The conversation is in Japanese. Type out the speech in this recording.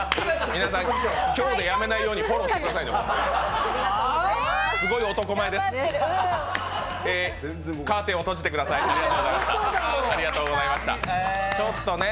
皆さん、今日でやめないようにフォローしてくださいね。